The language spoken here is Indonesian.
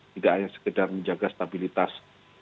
tidak hanya sekedar menjaga stabilitas